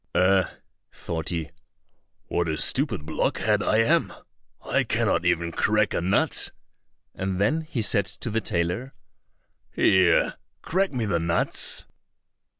"Eh!" thought he, "what a stupid blockhead I am! I cannot even crack a nut!" and then he said to the tailor, "Here, crack me the nuts."